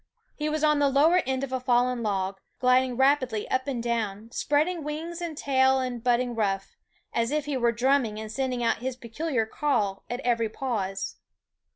He was on the lower end of a fallen log, gliding rapidly up and down, spreading wings and tail and bud ding ruff, as if he were drumming, and send ing out his peculiar call at every pause.